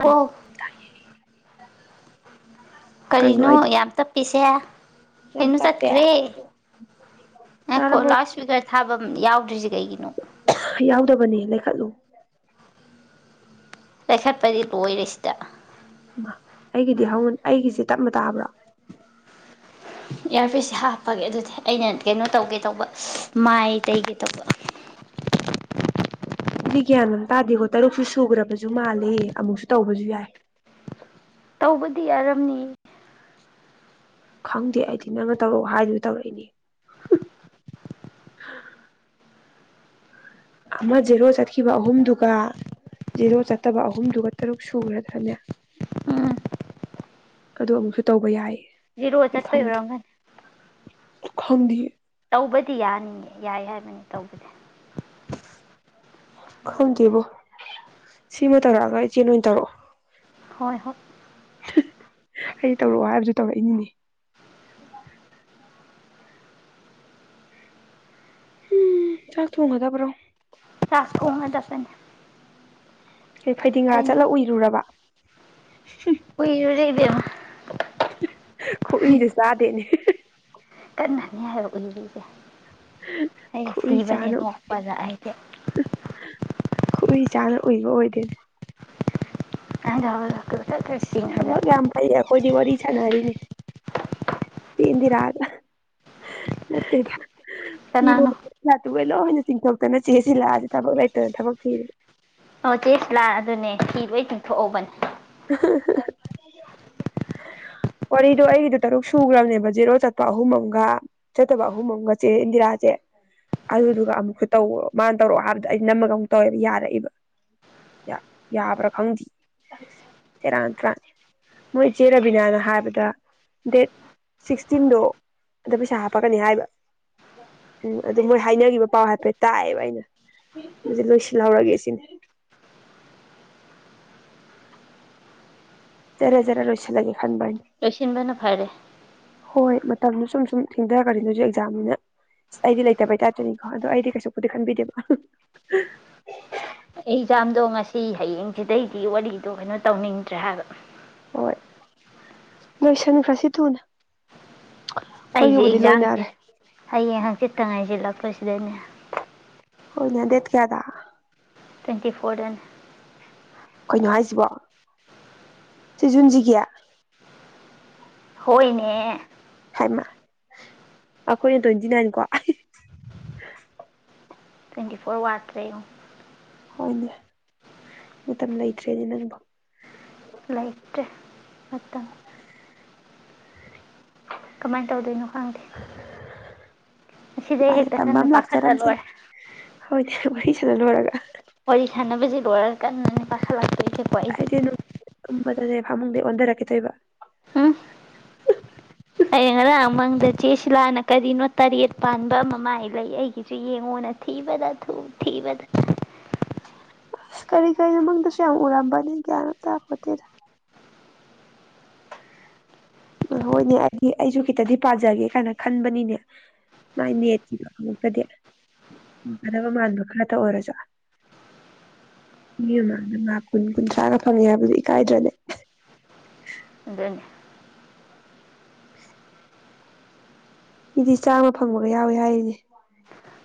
hello ꯀꯩꯅꯣ ꯀꯔꯤꯅꯣ ꯑꯩꯗꯤ ꯌꯥꯝ ꯇꯞꯄꯤꯁꯦ ꯌꯥꯝ ꯀꯩꯅꯣ ꯇꯞꯄꯦ ꯆꯠꯈ꯭ꯔꯦ ꯅꯣ ꯇꯥꯔꯕꯣ ꯂꯥꯎ ꯁꯋꯤꯒ ꯊꯥꯐꯝ ꯌꯥꯎꯗ꯭ꯔꯤꯁꯦ ꯀꯩꯒꯤꯅꯣ ꯌꯥꯎꯗꯕꯅꯤ ꯂꯩꯈꯠꯂꯨ ꯄꯩꯈꯠꯄꯗꯤ ꯂꯣꯏꯔꯦ ꯁꯤꯗ ꯑꯩꯒꯤꯗꯤ ꯍꯧ ꯑꯩꯒꯤꯁꯤ ꯇꯞꯅ ꯇꯥꯕ꯭ꯔꯣ ꯏꯌꯥꯔꯄꯤꯤꯁꯁꯦ ꯍꯥꯞꯄꯒꯦ ꯑꯗꯨꯗꯤ ꯑꯩꯅ ꯀꯩꯅꯣ ꯇꯧꯒꯦ ꯇꯧꯕ ꯃꯥꯏꯇꯩꯒꯤ ꯇꯧꯕ ꯑꯩꯗꯤ ꯒ꯭ꯌꯥꯟ ꯑꯃ ꯇꯥꯗꯦꯀꯣ ꯇꯔꯨꯛꯁꯨ ꯁꯨꯈ꯭ꯔꯕꯁꯨ ꯃꯥꯂꯦ ꯑꯃꯨꯛꯁꯨ ꯇꯧꯕꯁꯨ ꯌꯥꯏ ꯀꯕꯨꯗꯤ ꯑꯔꯝꯅꯤ ꯈꯪꯗꯦ ꯑꯩꯗꯤ ꯅꯪꯅ ꯇꯧꯔꯛꯑꯣ ꯍꯥꯏꯗꯨꯁꯨ ꯇꯧꯔꯛꯏꯅꯤ ꯑꯃ ꯖꯦꯔꯣ ꯆꯠꯈꯤꯕ ꯑꯍꯨꯝꯗꯨꯒ ꯖꯦꯔꯣ ꯆꯠꯇꯕ ꯑꯍꯨꯝꯗꯨꯒ ꯇꯔꯨꯛ ꯁꯨꯈ꯭ꯔꯗ꯭ꯔꯅꯦ ꯎꯝ ꯑꯗꯨ ꯑꯃꯨꯛꯁꯨ ꯇꯧꯕ ꯌꯥꯏ ꯖꯤꯔꯨꯕ ꯆꯠꯄ ꯑꯣꯏꯔꯝꯒꯅꯤ ꯎ ꯈꯪꯗꯤꯌꯦ ꯇꯧꯕꯗꯤ ꯌꯥꯅꯤꯉ ꯌꯥꯏ ꯍꯥꯏꯕꯅꯤ ꯇꯧꯕꯗꯤ ꯈꯪꯗꯦꯕꯣ ꯁꯤꯃ ꯇꯥꯔꯛꯑꯒ ꯏꯆꯦꯣꯏ ꯑꯣꯏꯅ ꯇꯧꯔꯛꯑꯣ ꯍꯣꯏ ꯍꯣꯏ ꯑꯩ ꯇꯧꯔꯛꯑꯣ ꯍꯥꯏꯕꯁꯨ ꯇꯧꯔꯛꯏꯅꯤꯅꯦ ꯎꯝ ꯆꯥꯛ ꯊꯣꯡꯒꯗꯕ꯭ꯔꯣ ꯇꯁ ꯀ ꯆꯁꯅꯤ ꯀ ꯐꯩꯗꯤꯡꯒꯥꯥ ꯆꯠꯂ ꯎꯏꯔꯨꯔꯕ ꯀ ꯈꯨꯏꯁꯨ ꯆꯥꯗꯦꯅꯦ ꯀꯅꯥꯅꯤ ꯍꯥꯏꯔ ꯎꯕꯤꯁꯦ [inaudible] ꯑꯩ ꯈꯨꯎꯏ ꯁꯤꯕꯅꯦ ꯆꯥꯅ ꯅꯣꯄꯗ ꯍꯥꯏꯁꯦ ꯈꯨꯏ ꯆꯥꯅ ꯎꯏꯕ ꯑꯣꯏꯗꯣꯏꯅꯦ ꯑ ꯌꯥꯋꯥ ꯂꯥꯛꯗ [inaudible] [unintelligible] ꯊꯕꯛ ꯌꯥꯝ ꯐꯩꯗ ꯑꯈꯣꯏꯗꯤ ꯋꯥꯔꯤ ꯁꯟꯔꯤꯅꯦ ꯌꯦꯗꯤꯔꯗꯦꯗ ꯍꯔꯣ ꯀꯅꯥꯅꯣ ꯊ ꯇꯕ ꯂ ꯍꯅꯤ [unintelligible] ꯆꯤꯡꯊꯣꯛꯇꯅ ꯆꯦꯁꯤꯜꯂꯛꯑꯁꯦ ꯊꯕꯛ ꯂꯩꯇꯅ ꯊꯕꯛ ꯊꯤꯔꯤ ꯑꯣ ꯆꯦꯁꯂꯥꯛ ꯑꯗꯨꯅꯦ ꯐꯤ ꯂꯣꯏ ꯇꯤꯡꯊꯣꯛꯍꯧꯕꯅꯦ ꯋꯥꯔꯤꯗꯣ ꯑꯩꯒꯤꯗ ꯇꯔꯨꯛ ꯁꯨꯈ꯭ꯔꯕꯅꯦꯕ ꯖꯦꯔꯣ ꯆꯠꯄ ꯑꯍꯨꯝ ꯑꯃꯝꯒ ꯆꯠꯇꯕ ꯑꯍꯨꯝ ꯑꯃꯒ ꯆꯦ ꯏꯟꯗꯤꯔꯥꯁꯦ ꯑꯗꯨꯗꯨꯒ ꯑꯃꯨꯛꯁꯨ ꯇꯧ ꯃꯥꯅ ꯇꯧꯔꯛꯑꯣ ꯍꯥꯏꯕꯗ ꯑꯩ ꯅꯝꯃꯒ ꯑꯃꯨꯛ ꯇꯧꯋꯦꯕ ꯌꯥꯔꯛꯏꯕ ꯌꯥꯕ꯭ꯔꯥ ꯈꯪꯗꯦ ꯆꯦꯔꯥ ꯇꯔꯥꯅꯤ ꯃꯣꯏ ꯏꯆꯦ ꯔꯕꯤꯅꯥꯅ ꯍꯥꯏꯕꯗ ꯗꯦꯠ ꯁꯤꯛꯁꯇꯤꯟꯗꯣ ꯑꯗ ꯄꯩꯁꯥ ꯍꯥꯞꯄꯛꯀꯅꯤ ꯍꯥꯏꯕ ꯎꯝ ꯑꯗꯨ ꯃꯣꯏ ꯍꯥꯏꯅꯈꯤꯕ ꯄꯥꯎ ꯍꯥꯏꯐꯦꯠ ꯇꯥꯛꯑꯦꯕ ꯑꯩꯅ ꯑꯗꯨ ꯂꯣꯏꯁꯤꯜꯍꯧꯔꯒꯦ ꯁꯤꯅꯤ ꯖꯔꯦꯖꯔꯦ ꯂꯣꯏꯁꯤ ꯂꯒꯦ ꯂꯣꯏꯁꯤꯟꯕꯅ ꯐꯥꯔꯦ ꯍꯣꯏ ꯃꯇꯝꯗꯣ ꯁꯨꯝ ꯁꯨꯝ ꯊꯦꯡꯊꯔꯛꯈꯅꯤ ꯅꯁꯨ ꯑꯦꯛꯖꯥꯝꯅꯤꯅ ꯑꯩꯗꯤ ꯂꯩꯇꯕꯩꯇꯥꯔꯁꯨꯅꯤꯀꯣ ꯑꯗꯣ ꯑꯩꯗꯤ ꯀꯩꯁꯨꯕꯨꯗꯤ ꯈꯟꯕꯤꯗꯦꯕ ꯑꯦꯛꯖꯥꯝꯗꯣ ꯉꯁꯤ ꯍꯌꯦꯡꯁꯤꯗꯩꯗꯤ ꯋꯥꯔꯤꯗꯣ ꯀꯩꯅꯣ ꯇꯧꯅꯤꯡꯗ꯭ꯔꯦ ꯍꯥꯏꯕ ꯍꯣꯏ ꯅꯣꯏꯁꯟꯈ꯭ꯔꯁꯤ ꯊꯨꯅ ꯑꯩꯁꯦ ꯑꯩꯈꯣꯏꯒꯤꯕꯨꯗꯤ ꯑꯦꯛꯖꯥꯝꯁꯦ ꯂꯣꯏꯅꯔꯦ ꯍꯌꯦꯡ ꯍꯥꯡꯆꯤꯠ ꯇꯡ ꯉꯥꯏꯁꯤꯜꯂꯛꯄꯁꯤꯗꯅꯦ ꯍꯣꯏꯅꯦ ꯗꯦꯠ ꯀꯌꯥꯗ ꯇ꯭ꯋꯦꯟꯇꯤ ꯐꯣꯔꯦꯟ ꯗꯩꯅꯦ ꯀꯩꯅꯣ ꯍꯥꯏꯁꯤꯕꯣ ꯁꯤꯖꯨꯟꯁꯤꯒꯤ ꯍꯣꯏꯅꯦ ꯑꯩꯈꯣꯏꯅ ꯇ꯭ꯋꯦꯟꯇꯤ ꯅꯥꯏꯟ ꯀꯣ ꯇ꯭ꯋꯦꯟꯇꯤ ꯐꯣꯔ ꯋꯥꯔꯠꯇ꯭ꯔꯦꯌꯨ ꯍꯣꯏꯅꯦ ꯃꯇꯝ ꯂꯩꯇ꯭ꯔꯦꯅꯦ ꯅꯪꯕꯨ ꯂꯩꯥꯏꯇꯔꯦ ꯃꯥꯇꯝ [unintelligible] ꯀꯃꯥꯏꯅ ꯇꯧꯗꯣꯏꯅꯣ ꯍꯪꯗꯦ ꯁꯤꯁꯩ ꯂꯥꯏꯅ ꯍꯦꯛꯇ ꯀꯟꯅ ꯄꯥꯈꯠꯂ ꯂꯣꯏ ꯍꯣꯏꯗꯤ ꯋꯥꯔꯤ ꯁꯥꯅ ꯂꯣꯏꯔꯒ ꯂꯣꯏꯔꯦ ꯀꯟꯅꯅ‌ꯦ ꯆꯥꯁꯤꯜꯂꯛꯇ‌ꯣꯏꯁꯤꯀ‌ꯣ ꯑꯩꯗꯤ ꯃꯗꯨꯅꯦ ꯐꯥꯃꯨꯡꯗꯩ ꯑꯣꯟꯊꯔꯛꯀꯦ ꯇꯧꯔꯤꯕ ꯎꯝ [unintelligible] ꯏ ꯆꯦꯁꯤꯂꯥꯅ ꯀꯔꯤꯅꯣ ꯇꯔꯦꯠ ꯄꯥꯟꯕ ꯑꯃ ꯃꯥꯏ ꯂꯩ ꯑꯩꯒꯤꯁꯨ ꯌꯦꯡꯉꯣꯅ ꯊꯤꯕꯗ ꯊꯤꯕꯗ ꯑꯁ ꯀꯔꯤ ꯀꯔꯤꯅꯣ ꯃꯪꯗꯁꯨ ꯌꯥꯝ ꯎꯔꯝꯕꯅꯤ ꯒ꯭ꯌꯥꯟ ꯑꯃꯇ ꯇꯥꯄꯣꯟꯗꯤꯗ ꯍꯣꯏꯅꯦ ꯑꯩꯗꯤ ꯑꯩꯁꯨ ꯈꯤꯇꯗꯤ ꯄꯥꯖꯒꯦ ꯀꯥꯏꯅ ꯈꯟꯕꯅꯤꯅꯦ ꯃꯥꯏ ꯅꯦꯠꯀꯤꯗꯣ ꯈꯉꯛꯛꯇꯗꯤ ꯐꯪꯒꯗꯕ ꯃꯥꯟꯕ ꯈꯔꯇ ꯑꯣꯏꯔꯁꯨ ꯃꯤ ꯃꯃꯥꯡꯗ ꯂ ꯀꯨꯟ ꯀꯨꯟꯊ꯭ꯔꯥꯒ ꯐꯪꯉꯦ ꯍꯥꯏꯕꯁꯨ ꯏꯀꯥꯏꯗ꯭ꯔꯅꯦ ꯑꯗꯨꯅꯤ [unintelligible] ꯃꯤꯗꯤ ꯆꯥꯝꯃ ꯐꯪꯕꯒ ꯌꯥꯎꯋꯤ ꯍꯥꯏꯔꯤꯅꯦ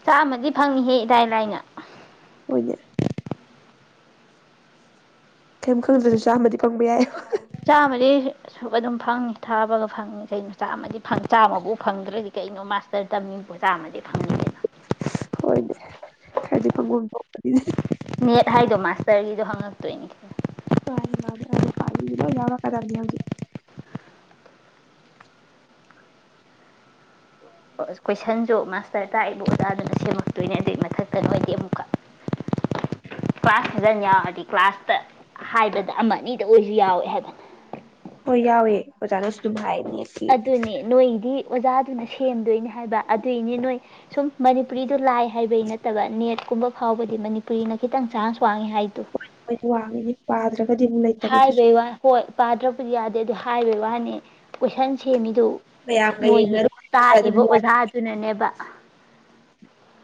ꯆꯥꯃꯗꯤ ꯐꯪꯏꯍꯦ ꯏꯗꯥꯥꯏ ꯂꯥꯏꯅ ꯍ‌ꯣꯏꯅ‌ꯦ ꯁꯩꯝ ꯈꯪꯗ꯭ꯔꯁꯨ ꯆꯥꯝꯃꯗꯤ ꯐꯪꯕ ꯌꯥꯏ ꯆꯥꯕꯔꯤ ꯑꯁꯨꯛ ꯑꯗꯨꯝ ꯐꯪꯉꯤ ꯊꯥꯕꯒ ꯐꯪꯉꯤ ꯀꯩꯅꯣ ꯆꯥꯝꯃ ꯆꯥꯝꯃꯐꯥꯎ ꯐꯪꯗ꯭ꯔꯗꯤ ꯀꯩꯅꯣ ꯃꯥꯁꯇꯔ ꯇꯝꯃꯤ ꯆꯥꯝꯃꯗꯤ ꯐꯪꯗ꯭ꯔꯦꯅ ꯍꯣꯏꯅꯦ ꯈꯔꯗꯤ ꯐꯪꯐꯝ ꯊꯣꯛꯄꯅꯤꯗꯤ ꯅꯦꯠ ꯍꯥꯏꯗꯣ ꯃꯥꯁꯇꯔꯒꯤꯗꯣ ꯍꯪꯉꯛꯇꯣꯏꯅꯦ ꯃꯥꯅꯤ ꯃꯥ ꯑꯩꯅ ꯄꯁꯤ ꯂꯣ ꯌꯥꯎꯕ ꯀꯗꯅꯤ ꯍꯧꯖꯤ ꯔ ꯇꯥꯛꯏꯕ ꯑꯣꯖꯥꯗꯨꯅ ꯁꯦꯝꯃꯛꯇꯣꯏꯅꯦ ꯑꯗꯨꯏ ꯃꯊꯛꯇ ꯅ ꯑꯣꯏꯗꯤ ꯑꯃꯨꯛꯀ ꯀ꯭ꯂꯥꯁ ꯁꯕꯦꯟ ꯌꯥꯎꯔꯗꯤ ꯀ꯭ꯂꯥꯁꯇ ꯍꯥꯏꯕꯗ ꯑꯃ ꯑꯅꯤꯗ ꯑꯣꯏꯁꯨ ꯌꯥꯎꯋꯦ ꯍꯥꯏꯗꯅ ꯍꯣꯏ ꯌꯥꯎꯋꯦ ꯑꯣꯖꯥꯅꯁꯨ ꯑꯗꯨꯝ ꯍꯥꯏ ꯅꯦꯠꯀꯤ ꯑꯗꯨꯅꯦ ꯅꯣꯏꯗꯤ ꯑꯣꯖꯥ ꯑꯗꯨꯅ ꯁꯦꯝꯗꯣꯏꯅꯤ ꯍꯥꯏꯕ ꯑꯗꯨꯏꯅꯤ ꯅꯣꯏ ꯁꯨꯝ ꯃꯅꯤꯄꯨꯔꯤꯗ ꯂꯥꯏ ꯍꯥꯏꯕꯩ ꯅꯠꯇꯕ ꯅꯦꯠꯀꯨꯝꯕ ꯐꯥꯎꯕꯗꯤ ꯃꯅꯤꯄꯨꯔꯤꯅ ꯈꯤꯇꯪ ꯆꯥꯟꯁ ꯋꯥꯉꯦ ꯍꯥꯏꯗꯨ ꯄꯥꯗ꯭ꯔꯛ ꯍꯥꯏꯔꯕꯩ ꯋꯥ ꯍꯣꯏ ꯄꯥꯗ꯭ꯔ ꯌꯥꯗꯦ ꯑꯗꯨ ꯍꯥꯏꯕꯒꯤ ꯋꯥꯅꯤ ꯀꯣꯏꯁꯟ ꯁꯦꯝꯃꯤ ꯑꯗꯨ ꯃꯌꯥꯝꯒ ꯅꯣꯏꯒꯤ ꯌꯦꯡꯅꯔꯨꯔꯗꯤ ꯈꯔ ꯑꯗꯨꯝ ꯇꯥꯛꯏꯕ ꯌꯥꯏ ꯑꯣꯖꯥꯗꯨꯅꯅꯦꯕ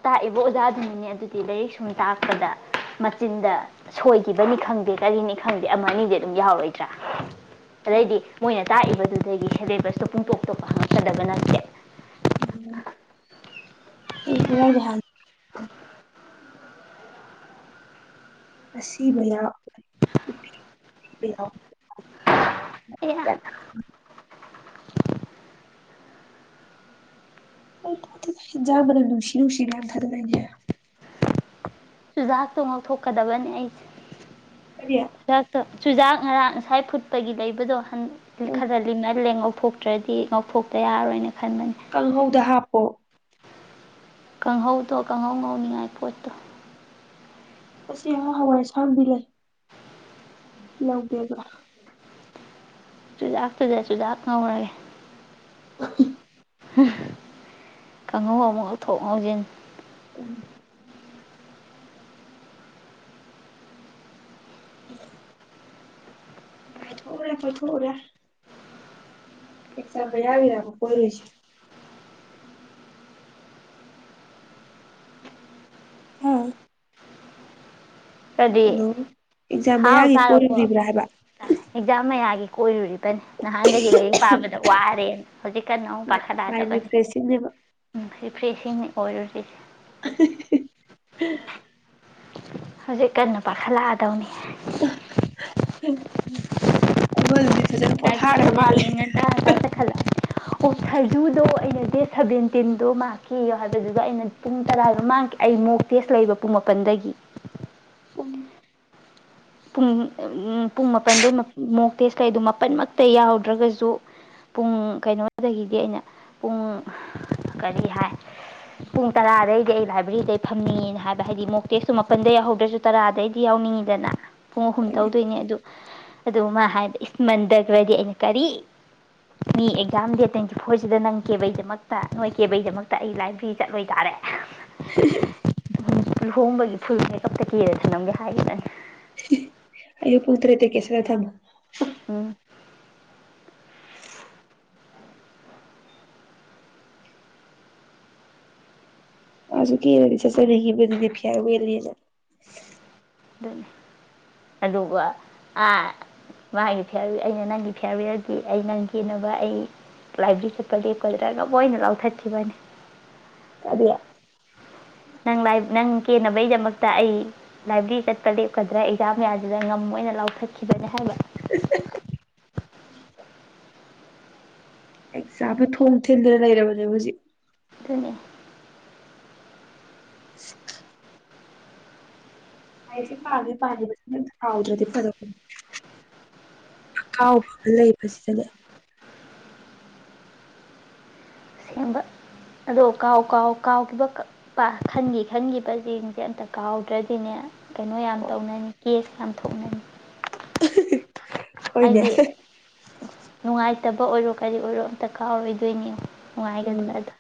ꯇꯥꯛꯏꯕ ꯑꯣꯖꯥꯗꯨꯅꯤꯅꯦ ꯑꯗꯨꯗꯤ ꯂꯥꯏꯔꯤꯛ ꯁꯨꯝ ꯇꯥꯛꯄꯗ ꯃꯆꯤꯟꯗ ꯁꯣꯏꯈꯤꯕꯅꯤ ꯈꯪꯗꯦ ꯀꯔꯤꯅꯤ ꯈꯪꯗꯦ ꯑꯃ ꯑꯅꯤꯗꯤ ꯑꯗꯨꯝ ꯌꯥꯎꯔꯣꯏꯗ꯭ꯔꯥ ꯍꯣꯏ ꯔꯦꯗꯤ ꯃꯣꯏꯅ ꯇꯥꯛꯏꯕꯗꯨꯗꯒꯤ ꯍꯦꯂꯦꯕꯁꯇꯣ ꯄꯨꯡꯇꯣꯛꯇꯣꯄ ꯍꯪꯉꯛꯀꯗꯕ ꯅꯠꯇꯦ ꯎꯝ ꯑꯣꯏ ꯎ ꯑꯁꯤꯕ [unintelligible] ꯑꯦ ꯇꯖ ꯃꯅꯦ ꯂꯅꯨꯡ ꯁꯤꯔ ꯎꯁꯤꯔ ꯌꯥꯝ ꯊꯗ ꯂꯩ ꯆꯨꯖꯥꯛꯇꯣ ꯉꯧꯊꯣꯛꯀꯗꯕꯅꯦ ꯑꯩꯁꯦ ꯀꯔꯤ ꯆꯁ ꯆꯨꯖꯥꯛ ꯉꯔꯥꯡ ꯉꯁꯥꯏ ꯐꯨꯠꯄꯒꯤ ꯂꯩꯕꯗꯣ ꯈꯗꯂꯤꯅ ꯂꯦꯡꯉꯧ ꯊꯣꯛꯣꯛꯇ꯭ꯔꯗꯤ ꯉꯧꯊꯣꯛꯇ ꯌꯥꯔꯣꯏꯅꯦ ꯀꯥꯡꯍꯧꯗ ꯍꯥꯞꯄꯣ ꯀꯥꯡꯍꯧꯗꯣ ꯀꯥꯡꯍꯧ ꯉꯧꯅꯤꯉꯥꯏ ꯄꯣꯠꯇꯣ ꯑꯁꯤ ꯌꯥꯝ ꯍꯋꯥꯏꯁꯥꯡꯕꯤ ꯂꯩ ꯂꯧꯒꯦꯕ ꯆꯨꯖꯥꯥꯛ ꯐꯖꯩ ꯆꯨꯖꯥꯛ ꯉꯧꯔꯒꯦ [unintelligible] ꯀꯥꯡꯍꯧ ꯑꯃꯨꯛ ꯂꯧꯊꯣꯛ ꯉꯥꯎꯖꯤꯟ ꯎ ꯎ ꯉꯥꯏꯊꯣꯛꯎꯔꯦ ꯈꯣꯏ ꯊꯣꯛꯣꯛꯎꯔꯦ ꯑꯦ ꯁꯥꯔ ꯄꯔꯒꯣ ꯀꯔꯔꯤꯁ ꯍꯥꯥ ꯑꯗꯨꯗꯤ ꯑꯦꯛꯖꯥꯝ ꯍꯥꯎ ꯃꯌꯥꯒꯤ ꯇꯥꯔꯕꯣ ꯀꯣꯏꯔꯨꯔꯤꯕ꯭ꯔꯥ ꯍꯥꯏꯕ ꯑꯦꯛꯖꯥꯝ ꯃꯌꯥꯒꯤ ꯑꯣꯏ ꯅꯍꯥꯟꯗꯒꯤ ꯂꯥꯏꯔꯤꯛ ꯄꯥꯕꯗ ꯋꯥꯔꯦꯅ ꯍꯧꯖꯤꯛ ꯀꯟꯅ ꯑꯃꯨꯛ ꯃꯥꯏꯟ ꯄꯥꯈꯠꯂꯛꯗꯕꯅꯤ ꯔꯤꯐ꯭ꯔꯦꯁꯤꯡꯅꯦꯕ ꯎꯝ ꯐ꯭ꯔꯦꯁꯤꯡ ꯑꯣꯏꯔꯨꯔꯤꯁꯦ [unintelligible] ꯍꯧꯖꯤꯛ ꯀꯟꯅ ꯄꯥꯈꯠꯂꯛꯑꯗꯧꯅꯤ ꯍ ꯐꯖꯅ ꯄꯣꯊꯥꯈ꯭ꯔ ꯂꯥꯏꯕ꯭ꯔꯦꯔꯤꯗ ꯃꯥꯜꯂꯦ ꯍꯌꯦꯡ ꯉꯟꯇꯥ ꯉꯟꯇꯥ ꯆꯠꯈꯠꯂꯛꯑꯅꯤ ꯑꯣ ꯁꯖꯨꯗꯣ ꯑꯩꯅ ꯗꯦꯠ ꯁꯚꯦꯟꯇꯤꯟꯗꯣ ꯃꯥꯛꯈꯤꯣ ꯍꯥꯏꯕꯗꯨꯗꯣ ꯑꯩꯅ ꯄꯨꯡ ꯇꯔꯥꯗꯣ ꯃꯥꯡꯈꯤ ꯑꯩ ꯃꯣꯛ ꯇꯦꯁ ꯂꯩꯕ ꯄꯨꯡ ꯃꯥꯄꯜꯗꯒꯤ ꯄꯨꯡ ꯄꯨꯡ ꯃꯥꯄꯜꯗꯩ ꯃꯣꯛ ꯇꯦꯛꯁ ꯀꯩꯗꯣ ꯃꯥꯄꯜꯃꯛꯇ ꯌꯥꯎꯍꯧꯗ꯭ꯔꯒꯁꯨ ꯄꯨꯡ ꯀꯩꯅꯣꯗꯒꯤꯗꯤ ꯑꯩꯅ ꯄꯨꯡ ꯀꯔꯤ ꯍꯥꯏ ꯄꯨꯡ ꯇꯔꯥꯗꯩꯗꯤ ꯑꯩ ꯂꯥꯏꯕ꯭ꯔꯦꯔꯤꯗꯩ ꯐꯝꯅꯤꯡꯉꯦꯅ ꯍꯥꯏꯕ ꯍꯥꯏꯗꯤ ꯃꯣꯛ ꯇꯦꯛꯁꯇꯣ ꯃꯥꯄꯜꯗꯩ ꯌꯥꯎꯍꯧꯗ꯭ꯔꯁꯨ ꯇꯔꯥꯗꯩꯗꯤ ꯌꯥꯎꯅꯤꯡꯉꯤꯗꯅ ꯄꯨꯡ ꯑꯍꯨꯝ ꯍꯣꯏꯅꯦ ꯇꯧꯗꯣꯏꯅꯦ ꯑꯗꯨ ꯑꯗꯨ ꯃꯥ ꯍꯥꯏꯗꯤ ꯏꯁꯃꯟꯗ ꯈꯔꯗꯤ ꯑꯩꯅ ꯀꯔꯤ ꯃꯤ ꯑꯦꯛꯖꯥꯝ ꯗꯦꯠ ꯇ꯭ꯋꯦꯟꯇꯤ ꯐꯣꯔꯁꯤꯗ ꯅꯪ ꯀꯦꯕꯩꯗꯃꯛꯇ ꯅꯣꯏ ꯀꯦꯕꯩꯗꯃꯛꯇ ꯑꯩ ꯂꯥꯏꯕ꯭ꯔꯦꯔꯤ ꯆꯠꯂꯣꯏ ꯇꯥꯔꯦ ꯂꯨꯍꯣꯡꯕꯒꯤ ꯐꯨꯜ ꯃꯦꯀꯞꯇ ꯀꯦꯗ ꯊꯜꯂꯝꯒꯦ ꯍꯥꯏꯒꯗꯅꯤ ꯑꯌꯣ ꯄꯨꯠꯇ꯭ꯔꯦꯇꯦ ꯀꯦꯁꯔ ꯊꯃ ꯎꯝ ꯑꯁꯨ ꯀꯁ ꯆ ꯐꯤꯌꯥꯔ ꯌꯦ ꯑꯗꯨꯅꯤ ꯑꯗꯨꯒ ꯃꯥꯒꯤ ꯐ ꯑꯩꯅ ꯅꯪꯒꯤ ꯐꯤꯌꯥꯔꯋꯦꯌꯔꯗꯤ ꯑꯩ ꯅꯪ ꯀꯦꯟꯅꯅꯕ ꯑꯩ ꯂꯥꯏꯕ꯭ꯔꯦꯔꯤ ꯆꯠꯄ ꯂꯦꯞꯀꯗ꯭ꯔꯒ ꯂꯣꯏꯅ ꯂꯥꯎꯊꯠꯈꯤꯕꯅꯤ ꯑ ꯅꯪ ꯂꯥꯏ ꯅꯪ ꯍꯦꯟꯅꯕꯩꯗꯃꯛꯇ ꯑꯩ ꯂꯥꯏꯕ꯭ꯔꯦꯔꯤ ꯆꯠꯄ ꯂꯦꯞꯀꯗ꯭ꯔꯥ ꯑꯦꯛꯖꯥꯝ ꯃꯌꯥꯝꯁꯤꯗ ꯉꯝꯣꯏ ꯑꯣꯏꯅ ꯂꯥꯎꯊꯠꯈꯤꯕꯅꯦ ꯍꯥꯏꯕ [unintelligible] ꯑꯦ ꯆꯥꯕ ꯊꯣꯡ ꯊꯤꯟꯗꯅ ꯂꯩꯔꯕꯅꯦꯕ ꯍꯧꯖꯤꯛ ꯑꯗꯨꯅꯤ [unintelligible] ꯑꯩꯁꯦ ꯄꯥꯒ ꯄꯥꯈꯤꯕꯁꯤꯅ ꯍꯥꯎꯗ꯭ꯔꯗꯤ ꯐꯔꯛꯄ ꯑꯀꯥꯎꯕ ꯑꯃ ꯂꯩꯕꯁꯤꯗꯅꯦ ꯁꯦꯝꯕ ꯑꯗꯣ ꯀꯥꯎ ꯀꯥꯎ ꯀꯥꯎꯈꯤꯕ ꯀꯄ ꯈꯟꯈꯤ ꯈꯟꯈꯤꯕꯁꯤꯡꯁꯦ ꯑꯝꯇ ꯀꯥꯎꯗ꯭ꯔꯗꯤꯅꯦ ꯀꯩꯅꯣ ꯌꯥꯝ ꯇꯧꯅꯅꯤ ꯀꯦꯁ ꯌꯥꯝ ꯊꯣꯛꯅꯅꯤ [unintelligible] ꯍꯣꯏꯅꯦ ꯍꯥꯏꯗꯤ ꯅꯨꯡꯉꯥꯏ ꯐꯠꯇꯕ ꯑꯣꯏꯔꯣ ꯀꯔꯤ ꯑꯣꯏꯔꯣ ꯑꯝꯇ ꯀꯥꯔ ꯑꯣꯏꯗꯣꯏꯅꯤ ꯎ ꯎꯝ ꯍꯥꯏꯒꯗ꯭ꯔꯦ ꯑꯗꯨ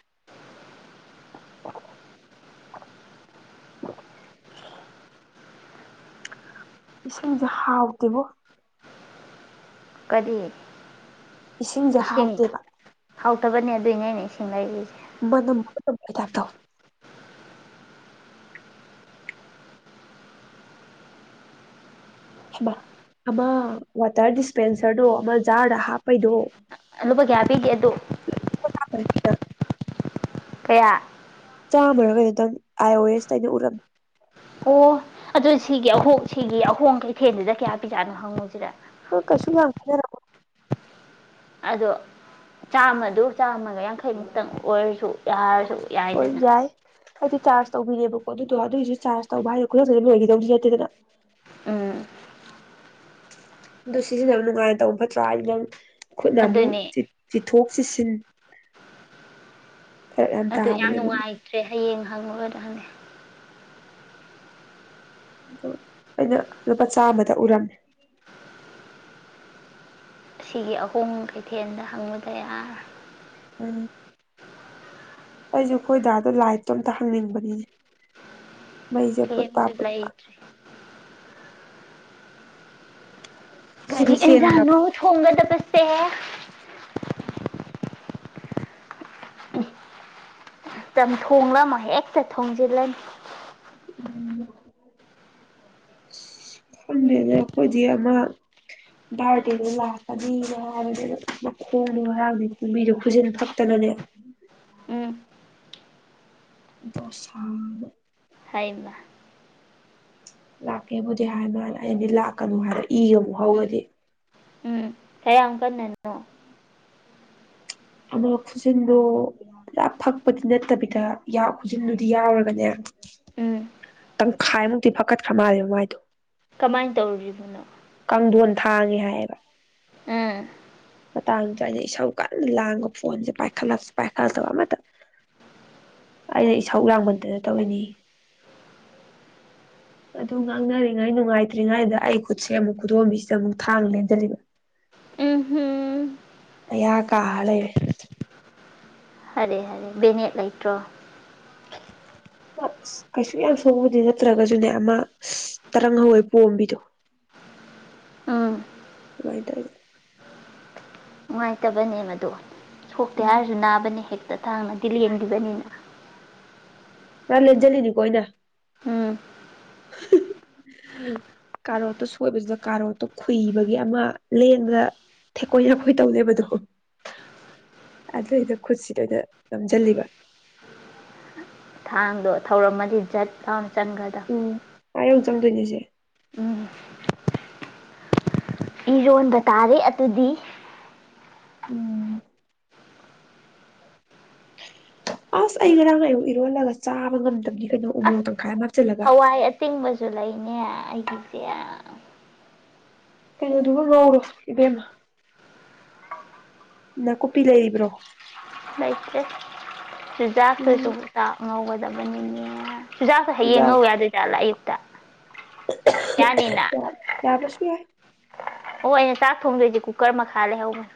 ꯏꯁꯤꯡꯁꯦ ꯍꯥꯎꯇꯦꯕꯣ ꯀꯔꯤ ꯏꯁꯤꯡꯁꯦ ꯏꯁꯤꯡ ꯍꯥꯎꯇꯦꯕ ꯍꯥꯎꯇꯕꯅꯦ ꯑꯗꯨꯏꯅꯦ ꯑꯅꯦ ꯏꯁꯤꯡ ꯂꯩꯔꯤꯁꯦ ꯃꯅ ꯃꯠꯇ ꯊꯥꯛꯗ ꯑꯃ ꯋꯥꯇꯔ ꯗꯤꯁꯄꯦꯟꯁꯔꯗꯣ ꯑꯃ ꯖꯥꯔꯗ ꯍꯥꯞꯄꯩꯗꯣ ꯂꯨꯕ ꯀꯌꯥ ꯄꯤꯒꯦ ꯑꯗꯨ ꯀꯌꯥ ꯆꯥꯝꯃꯔꯒ ꯑꯗꯨꯇꯪ ꯑꯥꯏ ꯑꯣ ꯑꯦꯁꯇꯩꯅ ꯎꯔꯝꯃꯤ ꯑꯣ ꯑꯗꯨꯗ ꯁꯤꯒꯤ ꯑꯍꯣꯡ ꯁꯤꯒꯤ ꯑꯍꯣꯡ ꯀꯩꯊꯦꯜꯁꯤꯗ ꯀꯌꯥ ꯄꯤꯖꯥꯠꯅꯣ ꯍꯪꯉꯨꯁꯤꯔ ꯑ ꯀꯁꯨ ꯌꯥꯗ ꯑꯗꯣ ꯆꯥꯝꯃꯗꯨ ꯆꯥꯝꯃꯒ ꯌꯥꯡꯈꯩꯃꯨꯛꯇꯪ ꯑꯣꯏꯔꯁꯨ ꯌꯥꯔꯁꯨ ꯍꯣꯏ ꯌꯥꯏꯗꯅ ꯌꯥꯏ ꯍꯥꯏꯗꯤ ꯆꯥꯔꯖ ꯇꯧꯕꯤꯔꯦꯕꯀꯣ ꯑꯣ ꯑꯗꯨꯗꯣ ꯑꯗꯨꯒꯤꯁꯨ ꯆꯥꯔꯖ ꯇꯧꯕ ꯍꯥꯏꯔ ꯈꯨꯠꯂ ꯑꯗꯨ ꯂꯣꯏꯈꯤꯗꯧꯗꯤ ꯅꯠꯇꯦꯗꯅ ꯎꯝ ꯑꯗꯨ ꯁꯤꯖꯤꯟꯅꯕ ꯅꯨꯡꯉꯥꯏꯅ ꯇꯧ ꯐꯠꯇ꯭ꯔꯥ ꯑꯩ ꯅꯪ ꯈꯨꯠꯅ ꯑꯃꯨꯛ ꯑꯗꯨꯅꯦ ꯆꯤꯊꯣꯛ ꯆꯤꯁꯤꯟ ꯑꯗꯨ ꯌꯥꯝ ꯇꯥꯕꯅꯦꯕ ꯅꯨꯡꯉꯥꯏꯇ꯭ꯔꯦ ꯍꯌꯦꯡ ꯍꯥꯡꯉꯦꯗ ꯍꯅꯤ ꯑ ꯑꯩꯅ ꯂꯨꯄꯥ ꯆꯥꯃꯗ ꯎꯔꯝꯃꯦ ꯑꯁꯤꯒꯤ ꯑꯍꯣꯡꯕ ꯀꯩꯊꯦꯜꯗ ꯍꯪꯕꯗ ꯌꯥꯔ ꯎꯝ ꯑꯩꯁꯦ ꯈꯈꯣꯏ ꯗꯥꯗꯣ ꯂꯥꯏꯇꯣ ꯑꯝꯇ ꯍꯪꯅꯤꯡꯕꯅꯤꯅꯦ ꯃꯩꯁꯦ ꯄꯨꯠꯇ ꯍꯌꯦꯡꯁꯨ ꯄꯨꯠꯄ ꯂꯩꯇ꯭ꯔꯦ ꯎ ꯀꯔꯤ ꯏꯟꯖꯅꯣ ꯊꯣꯡ ꯇ ꯐ ꯁ ꯎ ꯆꯝ ꯊꯣꯡꯂꯃ ꯍꯦꯛꯇ ꯊꯣꯡꯖꯤꯜꯂꯅꯤ ꯎꯝ ꯈꯪꯗꯦꯅꯦ ꯑꯩꯈꯣꯏꯗꯤ ꯑꯃ ꯚꯔꯗꯦꯗ ꯂꯥꯛꯀꯅꯤꯅ ꯍꯥꯏꯕꯅꯤ ꯃꯈꯣꯡꯅꯤ ꯉꯔꯥꯡꯅꯤ ꯀꯨꯝꯕꯤꯗꯣ ꯈꯨꯖꯤꯟ ꯐꯛꯇꯅꯅꯦ ꯎꯝ ꯗꯣꯁꯗ ꯍꯥꯏꯅ ꯂꯥꯛꯀꯦꯕꯨꯗꯤ ꯍꯥꯏꯅ ꯍꯥꯏꯅ ꯑꯗꯤ ꯂꯥꯛꯀꯅꯨ ꯍꯥꯏꯕ ꯏꯒ ꯑꯃꯨꯛ ꯍꯧꯔꯗꯤ ꯀꯌꯥꯝꯨ ꯀꯟꯅꯅꯣ ꯑ ꯈꯨꯖꯤꯟꯗꯣ ꯄꯨ ꯐꯛꯄꯗꯤ ꯅꯠꯇꯕꯤꯗ ꯈꯨꯖꯤꯟꯗꯨꯗꯤ ꯌꯥꯎꯔꯒꯅꯦ ꯎꯝ ꯇꯪꯈꯥꯏꯃꯨꯛꯇꯤ ꯐꯛꯀꯠꯈ꯭ꯔ ꯃꯥꯜꯂꯦꯕ ꯃꯥꯏꯗꯣ ꯀꯃꯥꯏꯅ ꯇꯧꯔꯨꯔꯤꯕꯣꯅꯣ ꯀꯥꯡꯊꯣꯟ ꯊꯥꯡꯉꯦ ꯍꯥꯏꯌꯦꯕ ꯎꯝ ꯃꯇꯥꯡꯗ ꯑꯩꯅ ꯏꯁꯧ ꯀꯟꯅ ꯂꯥꯡꯕ ꯐꯣꯟꯁꯦ ꯄꯥꯏꯈꯠꯂ ꯄꯥꯏꯈꯠꯂꯛꯇꯕ ꯑꯃꯇ ꯑꯩꯅ ꯏꯁꯧ ꯂꯥꯡꯃꯟꯗꯅ ꯇꯧꯔꯤꯅꯤ ꯑꯗꯨ ꯉꯥꯡꯅꯔꯤꯉꯩ ꯅꯨꯡꯉꯥꯏꯇ꯭ꯔꯤꯉꯩꯗ ꯑꯩ ꯈꯨꯠꯁꯦ ꯑꯃꯨꯛ ꯈꯨꯗꯣꯝꯕꯤꯁꯤꯗ ꯑꯃꯨꯛ ꯊꯥꯡ ꯂꯦꯟꯖꯜꯂꯤꯕ ꯎꯝ ꯍꯝ ꯌꯥ ꯀꯥꯂꯩꫪꯤ ꯑꯔꯦ ꯍꯥꯏꯔꯦ ꯕꯦꯅꯦꯠ ꯂꯩꯇ꯭ꯔꯣ ꯀꯩꯁꯨ ꯌꯥꯝ ꯁꯣꯛꯕꯗꯤ ꯅꯠꯇ꯭ꯔꯒꯁꯨꯅꯦ ꯑꯃ ꯇꯔꯪ ꯍꯧꯋꯦ ꯄꯣꯝꯕꯤꯗꯣ ꯎꯝ ꯏꯃꯥꯏ ꯇꯥꯏꯕ ꯅꯨꯡꯉꯥꯏꯇꯕꯅꯦ ꯃꯗꯣ ꯁꯣꯛꯇꯦ ꯎꯝ ꯍꯥꯏꯔꯁꯨ ꯅꯥꯕꯅꯦ ꯍꯦꯛꯇ ꯊꯥꯡꯅꯗꯤ ꯂꯦꯡꯈꯤꯕꯅꯤꯅ ꯃꯔ ꯂꯩꯖꯂꯤꯅꯤ ꯀꯣꯏꯅ ꯎꯝ ꯀꯥꯔꯣꯠꯇꯣ ꯁꯣꯏꯕꯁꯤꯗ ꯀꯥꯔꯣꯠꯇꯣ ꯈꯨꯨꯏꯕꯒꯤ ꯑꯃ ꯂꯦꯟꯕꯗ ꯊꯦꯛꯀꯣꯏ ꯍꯥꯀꯣꯏ ꯇꯧꯅꯦꯕꯗꯣ ꯑꯗꯨꯏꯗ ꯈꯨꯠꯁꯤꯗ ꯑꯣꯏꯅ ꯅꯝꯁꯤꯜꯂꯤꯕ ꯊꯥꯡꯗꯣ ꯊꯧꯔꯝꯃꯗꯤ ꯖꯠ ꯌꯥꯝ ꯆꯟꯒ꯭ꯔꯗ ꯎꯝ ꯑꯥ ꯌꯧ ꯆꯪꯗꯣꯏꯅꯦꯁꯦ ꯏꯔꯣꯟꯕ ꯇꯥꯔꯦ ꯑꯗꯨꯗꯤ ꯎꯝ ꯑꯁ ꯑꯩ ꯉꯔꯥꯡꯅꯌꯨꯛ ꯏꯔꯣꯜꯂꯒ ꯆꯥꯕ ꯉꯝꯗꯕꯗꯤ ꯀꯩꯅꯣ ꯎꯃꯪ ꯑꯁ ꯇꯪꯈꯥꯏ ꯍꯥꯞꯆꯤꯜꯂꯒ ꯍꯋꯥꯏ ꯑꯇꯤꯡ ꯃꯁ ꯁꯨ ꯂꯩꯅꯦ ꯑꯩꯒꯤꯁꯦ ꯀꯩꯅꯣꯗꯨꯕꯨ ꯉꯧꯔꯣ ꯏꯕꯦꯝꯃ ꯅꯥꯀꯨꯞꯄꯤ ꯂꯩꯔꯤꯕ꯭ꯔꯣ ꯑꯩꯆꯦ ꯁꯤꯖꯥꯁꯨ ꯎꯝ ꯆꯥꯛ ꯉꯧꯕ ꯗꯕꯅꯤ ꯆꯨꯖꯥꯛꯁꯨ ꯍꯌꯦꯡꯉꯧ ꯌꯥꯗꯦꯖꯥꯠꯂ ꯑꯌꯨ ꯀꯌꯥ ꯀꯌꯥ ꯄꯁꯨ ꯌꯥ ꯑꯣ ꯑꯩꯅ ꯆꯥꯛ ꯊꯣꯡꯗꯣꯏꯁꯦ ꯀꯨꯀꯔ ꯃꯈꯥ ꯂꯩꯍꯧꯕꯅꯦ